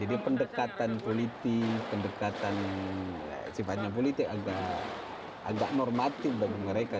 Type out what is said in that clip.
jadi pendekatan politik pendekatan sifatnya politik agak normatif bagi mereka